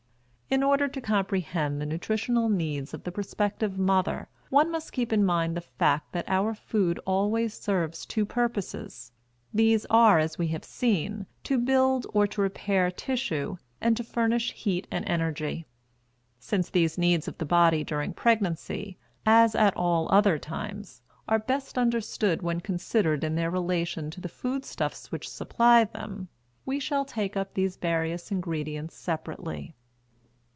In order to comprehend the nutritional needs of the prospective mother, one must keep in mind the fact that our food always serves two purposes. These are, as we have seen, to build or to repair tissue and to furnish heat and energy. Since these needs of the body during pregnancy as at all other times are best understood when considered in their relation to the food stuffs which supply them, we shall take up these various ingredients separately.